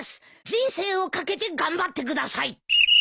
人生を懸けて頑張ってください。